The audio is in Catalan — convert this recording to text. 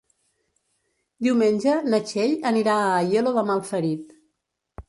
Diumenge na Txell anirà a Aielo de Malferit.